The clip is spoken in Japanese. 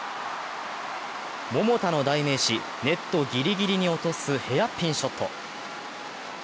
桃田の代名詞、ネットギリギリに落とすヘアピンショット。